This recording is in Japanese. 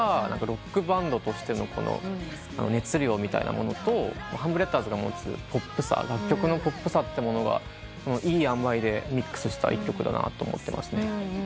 ロックバンドとしての熱量みたいなものとハンブレッダーズが持つ楽曲のポップさがいいあんばいでミックスした一曲だなと思ってますね。